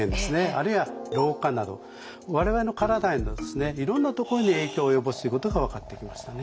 あるいは老化など我々の体へのいろんなところに影響を及ぼすということが分かってきましたね。